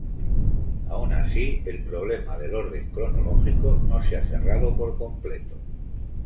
Aun así, el problema del orden cronológico no se ha cerrado por completo.